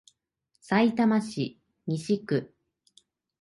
さいたま市西区